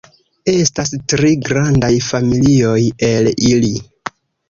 Estas tri grandaj familioj el ili.